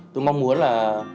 tôi mong muốn là